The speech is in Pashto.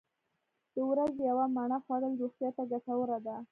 د ورځې یوه مڼه خوړل روغتیا ته ګټوره ده.